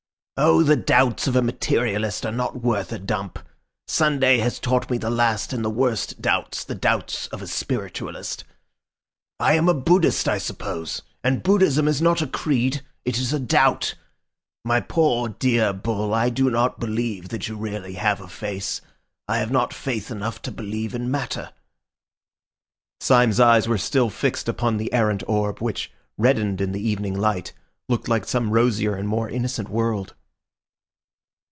Oh, the doubts of a materialist are not worth a dump. Sunday has taught me the last and the worst doubts, the doubts of a spiritualist. I am a Buddhist, I suppose; and Buddhism is not a creed, it is a doubt. My poor dear Bull, I do not believe that you really have a face. I have not faith enough to believe in matter." Syme's eyes were still fixed upon the errant orb, which, reddened in the evening light, looked like some rosier and more innocent world.